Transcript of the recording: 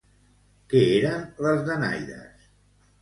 Què eren les danaides?